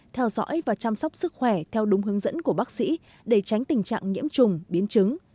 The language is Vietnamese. theo dõi và chăm sóc sức khỏe theo đúng hướng dẫn của bác sĩ để tránh tình trạng nhiễm trùng biến chứng